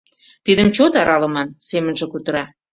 — Тидым чот аралыман, — семынже кутыра.